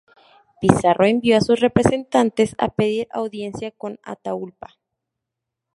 Pizarro envió a sus representantes a pedir audiencia con Atahualpa.